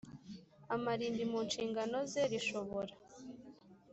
Amarimbi mu nshingano ze rishobora